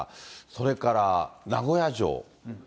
それから名古屋城。